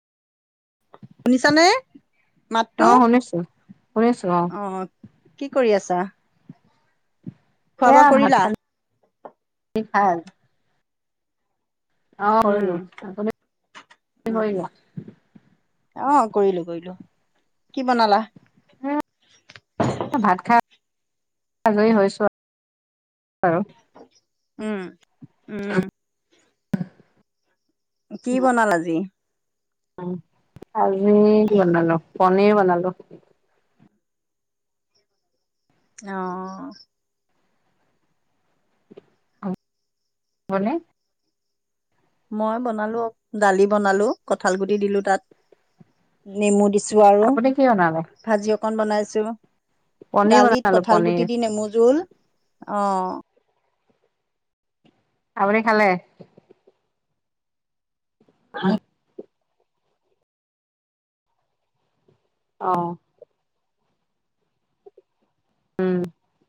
শুনিছানে অ মাতটো শুনিছো অ কি কৰি আছা। খোৱা বোৱা এয়া ভাত কৰিলা খালী খাই অ কৰিলো উম আপুনি উম কৰিলা অ কৰিলো কৰিলো কি বনালা এ ভাত খাই আজৰি হৈছোঁ আৰু বাৰু উম উম কি বনাল আজি আজি বনালো, পনীৰ বনলো। অ'। ভনে মই বনালো, দালি বনালো, কঁঠাল গুটি দিলোঁ তাত। নেমু দিছোঁ আৰু আপুনি কি বনালে ভাজি অকন বনাইছোঁ। পনীৰ দালিত বনালো কঠাল পনীৰ গুটি দি নেমু জোল, অ'। আপুনি খালে? [unintelligible] অ'। উম।